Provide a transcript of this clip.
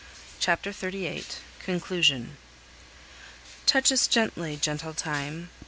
CHAPTER XXXVIII. CONCLUSION. "Touch us gently, gentle Time!